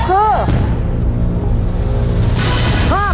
ต่อเร็วครับ